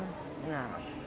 jadi saya mesti keluar